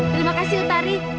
terima kasih utari